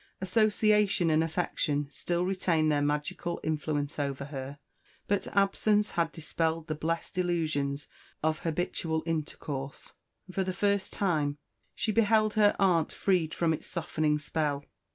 Association and affection still retained their magical influence over her; but absence had dispelled the blest illusions of habitual intercourse; and for the first time she beheld her aunt freed from its softening spell.